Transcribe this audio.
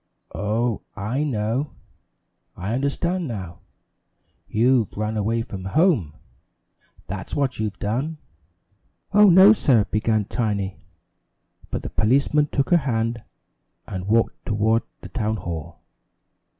Oh, I know I understand now you've run away from home that's what you've done!" "Oh, no, sir," began Tiny, but the policeman took her hand, and walked toward the town hall.